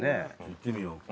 行ってみよう。